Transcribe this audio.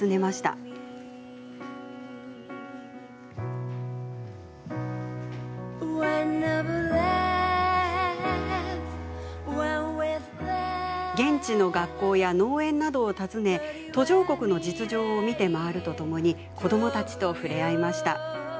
「ＯｎｅｏｆＬｏｖｅ」現地の学校や農園などを訪ね途上国の実情を見て回るとともに子どもたちと触れ合いました。